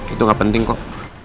itu gak penting kok